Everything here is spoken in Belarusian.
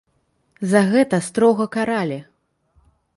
За гэта строга каралі.